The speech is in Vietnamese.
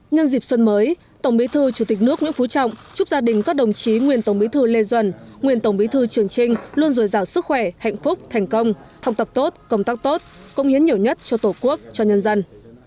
nhân dịp xuân mới tổng bí thư chủ tịch nước nguyễn phú trọng chúc gia đình các đồng chí nguyên tổng bí thư lê duẩn nguyên tổng bí thư trường trinh luôn dồi dào sức khỏe hạnh phúc thành công học tập tốt công tác tốt công hiến nhiều nhất cho tổ quốc cho nhân dân